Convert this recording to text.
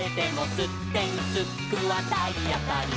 「すってんすっくはたいあたり」